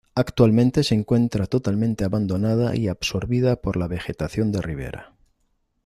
Actualmente se encuentra totalmente abandonada y absorbida por la vegetación de ribera.